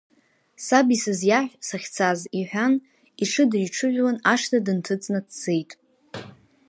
Саб исызиаҳәа сахьцаз, — иҳәан, иҽы дыҩҽыжәлан, ашҭа дынҭыҵны дцеит.